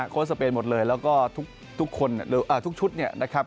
โค้ดสเปนหมดเลยแล้วก็ทุกชุดเนี่ยนะครับ